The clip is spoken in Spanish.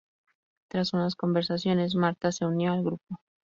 Tras unas conversaciones Marta se unió al grupo.